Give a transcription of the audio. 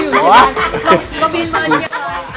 เราอยู่เชียงลายค่ะ